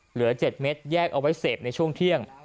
เหลือ๗เม็ดแยกเอาไว้เสพในช่วงเที่ยง